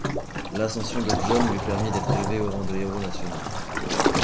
L'ascension de John lui permit d'être élevé au rang de héros national.